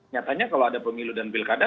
nyatanya kalau ada pemilu dan pilkada